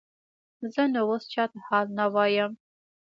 زه نو اوس چاته حال نه وایم.